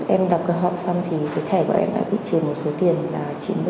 em đặt cái họ xong thì cái thẻ của em đã bị truyền một số tiền là chín mươi năm một trăm năm mươi